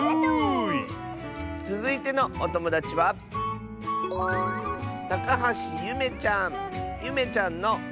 つづいてのおともだちはゆめちゃんの。